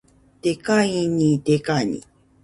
デカいかに、デカニ